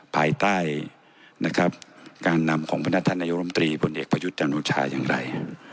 ภายใต้การนำของพนักท่านนายโรมตรีบนเอกประยุทธ์จำนวชาอย่างไร